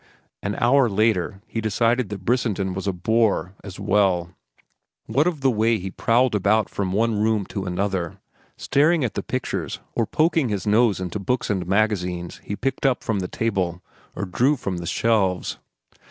An hour later he decided that Brissenden was a boor as well, what of the way he prowled about from one room to another, staring at the pictures or poking his nose into books and magazines he picked up from the table or drew from the shelves.